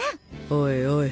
おいおい